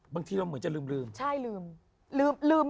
บางทีเราเหมือนจะลืม